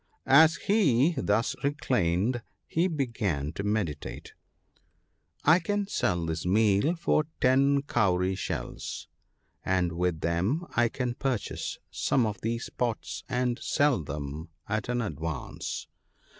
As he thus reclined he began to meditate, " I can sell this meal for ten cowrie shells, and with them I can purchase some of these pots and sell them at an advance.